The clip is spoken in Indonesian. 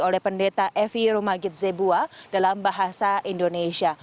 oleh pendeta evi rumagidzebua dalam bahasa indonesia